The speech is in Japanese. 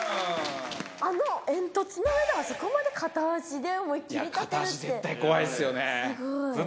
あの煙突の上であそこまで片足で思いっきり立てるってすごいいや片足絶対怖いっすよね